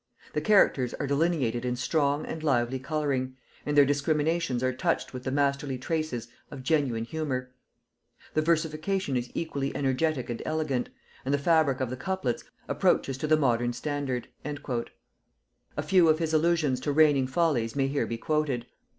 The characters are delineated in strong and lively colouring, and their discriminations are touched with the masterly traces of genuine humour. The versification is equally energetic and elegant, and the fabric of the couplets approaches to the modern standard." [Note 128: Warton's History of English Poetry, vol. iv.] A few of his allusions to reigning follies may here be quoted.